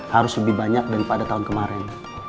harus lebih banyak daripada tahun kemarin